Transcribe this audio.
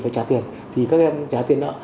phải trả tiền thì các em trả tiền nợ